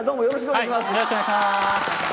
よろしくお願いします。